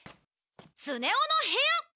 スネ夫の部屋！ほい。